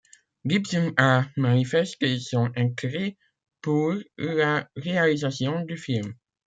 Gibson a manifesté son intérêt pour la réalisation du film.